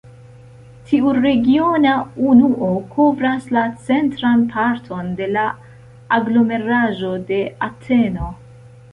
Tiu regiona unuo kovras la centran parton de la aglomeraĵo de Ateno.